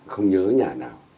không nhớ nhà nào